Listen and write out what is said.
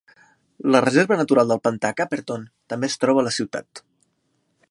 La reserva natural del pantà de Caperton també es troba a la ciutat.